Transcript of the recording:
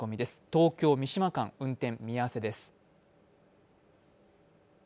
東京−三島間、運転見合わせです。